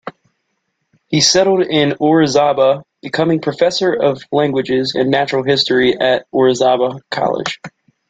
He settled in Orizaba, becoming professor of languages and natural history at Orizaba College.